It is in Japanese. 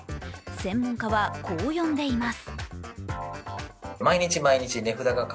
専門家はこう呼んでいます。